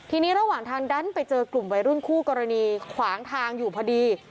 ทีนี้ระหว่างทางดันไปเจอกลุ่มวัยรุ่นคู่กรณีขวางทางอยู่พอดี